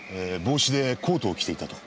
帽子でコートを着ていたと。